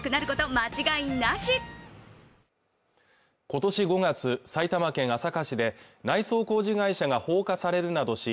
今年５月埼玉県朝霞市で内装工事会社が放火されるなどし